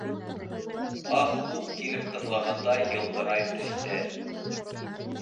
Ах-ух килеп тыңлағанда Йылтырай тештәр.